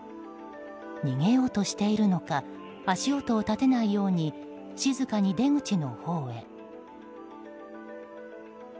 逃げようとしているのか足音を立てないように静かに出口のほうへ。